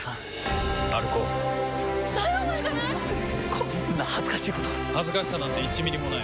こんな恥ずかしいこと恥ずかしさなんて１ミリもない。